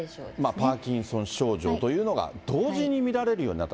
パーキンソン症状というのが同時に見られるようになった。